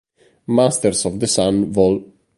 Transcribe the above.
Masters of the Sun Vol.